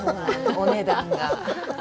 お値段が。